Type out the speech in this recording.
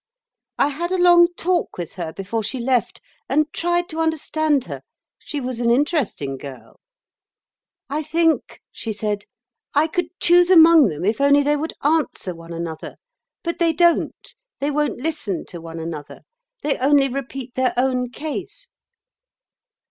I had a long talk with her before she left, and tried to understand her; she was an interesting girl. 'I think,' she said, 'I could choose among them if only they would answer one another. But they don't. They won't listen to one another. They only repeat their own case.